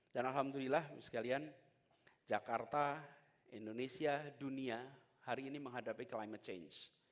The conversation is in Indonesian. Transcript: dan alhamdulillah sekalian jakarta indonesia dunia hari ini menghadapi climate change